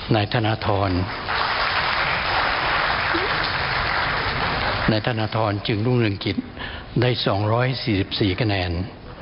ในธนธรรมในธนธรรมจึงรุงเรียงกิจได้๒๔๔คะแนน